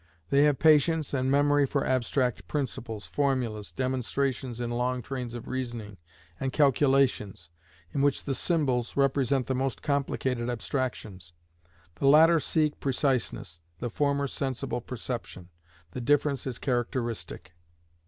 They have patience and memory for abstract principles, formulas, demonstrations in long trains of reasoning, and calculations, in which the symbols represent the most complicated abstractions. The latter seek preciseness, the former sensible perception. The difference is characteristic.